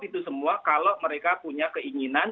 itu semua kalau mereka punya keinginan